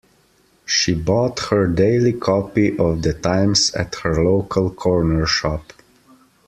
She bought her daily copy of The Times at her local corner shop